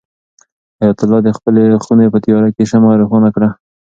حیات الله د خپلې خونې په تیاره کې شمع روښانه کړه.